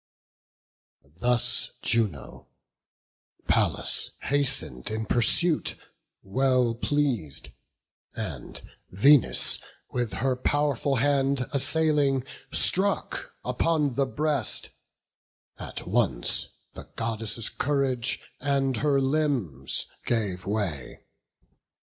Thus Juno: Pallas hasten'd in pursuit Well pleas'd; and Venus with her pow'rful hand Assailing, struck upon the breast; at once The Goddess' courage and her limbs gave way.